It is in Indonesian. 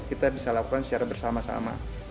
kita bisa lakukan secara bersama sama